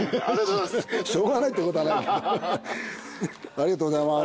ありがとうございます。